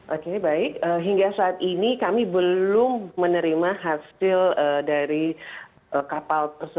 oke baik hingga saat ini kami belum menerima hasil dari kapal tersebut